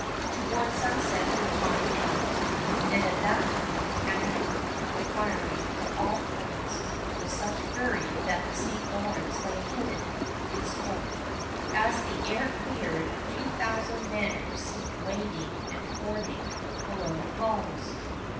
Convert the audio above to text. Toward sunset the tide ebbed, and at that time cannon were firing from all points with such fury that the St. Lawrence lay hidden in smoke. As the air cleared, two thousand men were seen wading and fording below the falls.